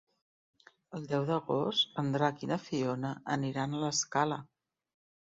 El deu d'agost en Drac i na Fiona aniran a l'Escala.